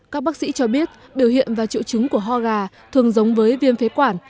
các bác sĩ cho biết biểu hiện và triệu chứng của ho gà thường giống với viêm phế quản